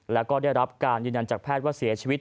แล้วก็ได้รับการยืนยันจากแพทย์ว่าเสียชีวิต